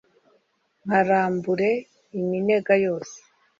nkarambure iminega yose